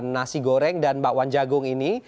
nasi goreng dan bakwan jagung ini